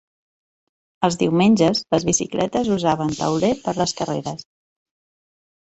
Els diumenges, les bicicletes usaven tauler per a les carreres.